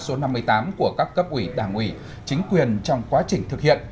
số năm mươi tám của các cấp ủy đảng ủy chính quyền trong quá trình thực hiện